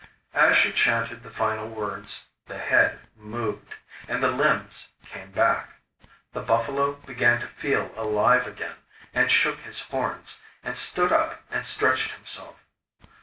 As she chanted the final words the head moved, and the limbs came back. The buffalo began to feel alive again and shook his horns, and stood up and stretched himself.